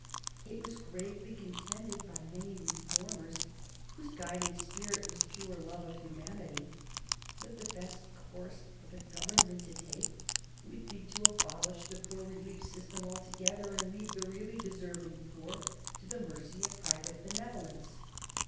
It was gravely contended by many reformers, whose guiding spirit was pure love of humanity, that the best course for the Government to take would be to abolish the poor relief system altogether, and leave the really deserving poor to the mercy of private benevolence.